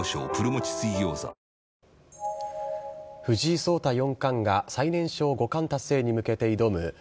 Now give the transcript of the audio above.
藤井聡太四冠が最年少五冠達成に向けて挑む